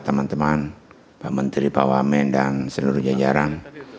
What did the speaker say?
teman teman pak menteri pak wamen dan seluruh jajaran